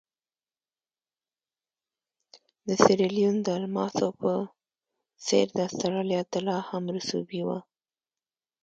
د سیریلیون د الماسو په څېر د اسټرالیا طلا هم رسوبي وه.